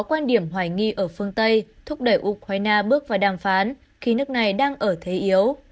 quan điểm hoài nghi ở phương tây thúc đẩy ukraine bước vào đàm phán khi nước này đang ở thế yếu